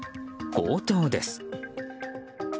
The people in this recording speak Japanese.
強盗です。